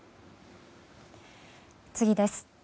次です。